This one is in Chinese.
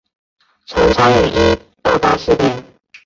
曾参与一二八事变。